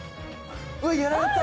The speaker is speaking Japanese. うわっやられた。